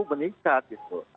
perekonomian bisa tumbuh meningkat